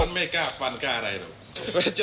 แต่มันไม่กล้าฟันกล้าอะไรหรอก